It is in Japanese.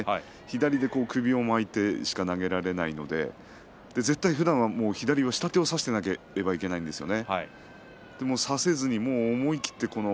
私は左で首を巻いてでしか投げられないので、ふだんは左は下手を差していなければいけないですね。